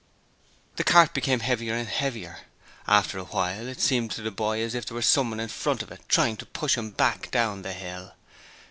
The cart became heavier and heavier. After a while it seemed to the boy as if there were someone at the front of it trying to push him back down the hill.